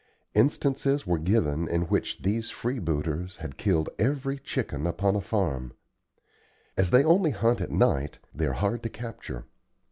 Instances were given in which these freebooters had killed every chicken upon a farm. As they hunt only at night, they are hard to capture.